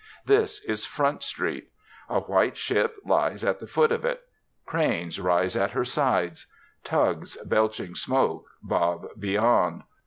This is Front Street. A white ship lies at the foot of it. Cranes rise at her side. Tugs, belching smoke, bob beyond.